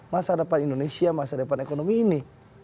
masa depan indonesia masa depan ekonomi ini